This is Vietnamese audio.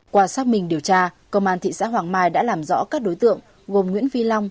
qua xác minh điều tra công an thị xã hoàng mai đã làm rõ các đối tượng gồm nguyễn phi long